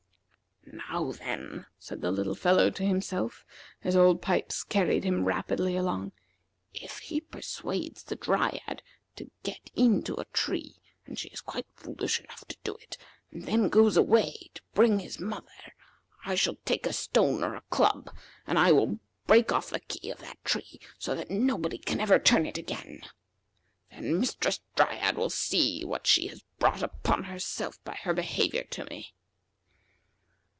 "Now, then," said the little fellow to himself, as Old Pipes carried him rapidly along, "if he persuades the Dryad to get into a tree, and she is quite foolish enough to do it, and then goes away to bring his mother, I shall take a stone or a club and I will break off the key of that tree, so that nobody can ever turn it again. Then Mistress Dryad will see what she has brought upon herself by her behavior to me."